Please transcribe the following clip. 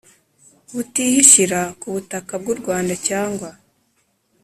butihishira ku butaka bw u Rwanda cyangwa